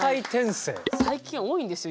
最近多いんですよ